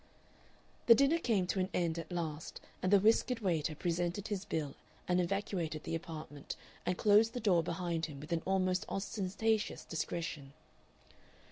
The dinner came to an end at last, and the whiskered waiter presented his bill and evacuated the apartment and closed the door behind him with an almost ostentatious discretion.